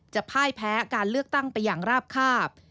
พ่ายแพ้การเลือกตั้งไปอย่างราบคาบ